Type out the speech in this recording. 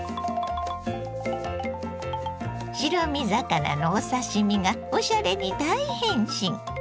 白身魚のお刺身がおしゃれに大変身。